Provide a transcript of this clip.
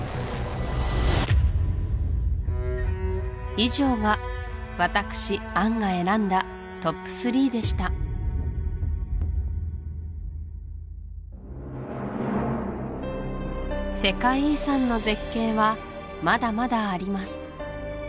以上が私杏が選んだＴＯＰ３でした世界遺産の絶景はまだまだあります